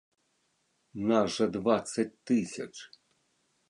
Нас жа дваццаць тысяч!